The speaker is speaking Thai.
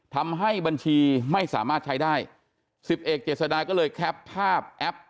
ทำให้บัญชีไม่สามารถใช้ได้สิบเอกเจษดาก็เลยแคปภาพแอป